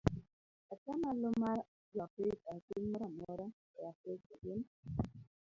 Atamalo mar joafrika e piny moro amora e Afrika gin